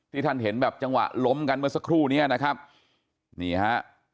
ท่านเห็นแบบจังหวะล้มกันเมื่อสักครู่เนี้ยนะครับนี่ฮะ